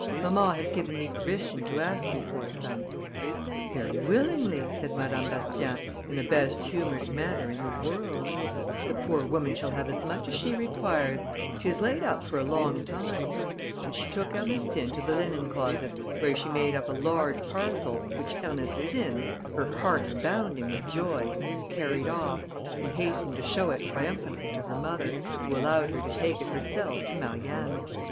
Mamma has given me permission to ask you for some." "Very willingly," said Madame Bastien, in the best humoured manner in the world; "the poor woman shall have as much as she requires; she is laid up for a long time;" and she took Ernestine to the linen closet, where she made up a large parcel, which Ernestine, her heart bounding with joy, carried off, and hastened to show it triumphantly to her mother, who allowed her to take it herself to Marianne.